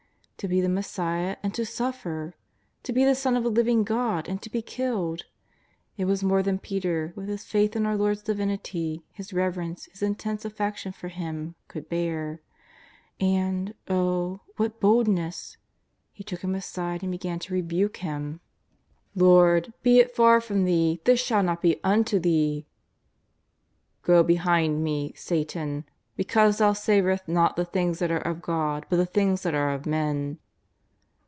To be the Mes siah and to suffer! To be the Son of the Living God and to be killed ! It was more than Peter, with his faith in our Lord's Divinity, his reverence, his intense affection for Him, could bear. And — oh, what bold ness! — he took Him aside and began to rebuke Him. JESUS OF ITAZARETH. 259 " Lord, be it far from Thee, this shall not be unto Thee.'' ^' Go behind Me, Satan ! because thou savourest not the things that are of God but the things that are of men."